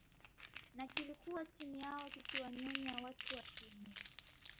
na kilikuwa chini yao kikiwanyonya watu wa chini